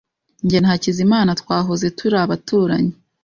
Jye na Hakizimana twahoze turi abaturanyi.